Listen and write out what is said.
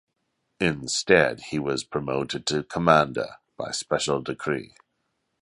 Instead, he was promoted to Commander by special decree.